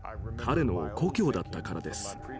彼の故郷だったからです。